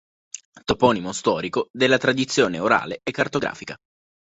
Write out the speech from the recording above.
Toponimo storico, della tradizione orale e cartografica.